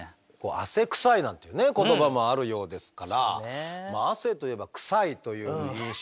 「汗臭い」なんていう言葉もあるようですから汗といえば臭いという印象でね